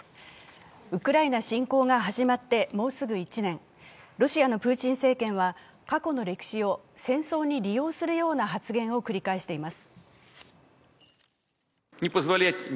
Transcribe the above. ウクライナ侵攻が始まってもうすぐ１年ロシアのプーチン政権は過去の歴史を戦争に利用するような発言を繰り返しています。